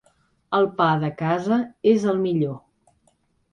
El pa de casa és el millor.